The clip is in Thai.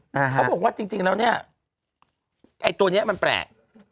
เขาบอกว่าจริงแล้วเนี่ยไอ้ตัวนี้มันแปลก